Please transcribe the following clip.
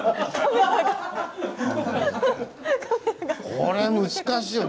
これ難しいよ。